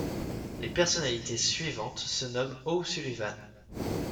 Les personnalités suivantes se nomment O'Sullivan.